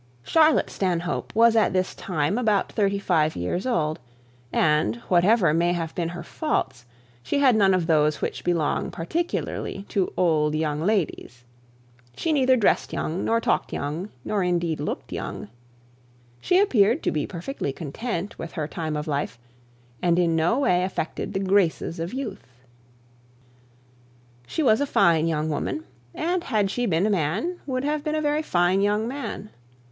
Charlotte Stanhope was at this time about thirty five years old; and, whatever may have been her faults, she had none of those which belong particularly to old young ladies. She neither dressed young, nor talked young, nor indeed looked young. She appeared to be perfectly content with her time of life, and in no way affected the grace of youth. She was a fine young woman; and had she been a man, would have been a very fine young man.